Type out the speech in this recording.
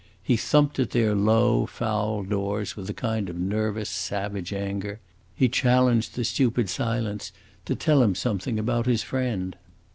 He thumped at their low, foul doors with a kind of nervous, savage anger; he challenged the stupid silence to tell him something about his friend.